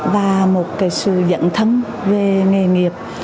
và một cái sự dẫn thân về nghề nghiệp